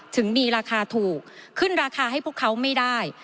ถึงมีราคาถูกขึ้นราคาให้พวกเขาไม่ได้